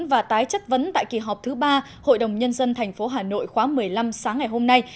và tái chất vấn tại kỳ họp thứ ba hội đồng nhân dân tp hà nội khóa một mươi năm sáng ngày hôm nay